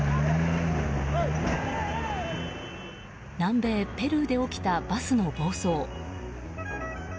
南米ペルーで起きたバスの暴走。